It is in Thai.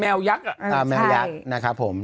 แววยักษ์แมวยักษ์นะครับผม